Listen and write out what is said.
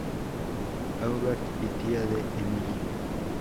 Aubert y tía de Emily.